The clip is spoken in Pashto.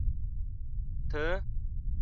ته